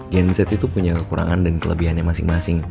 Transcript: gen z itu punya kekurangan dan kelebihannya masing masing